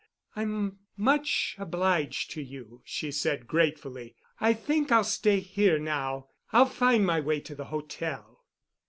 "I'm much obliged to you," she said gratefully. "I think I'll stay here now. I'll find my way to the hotel."